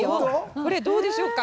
これ、どうでしょうか。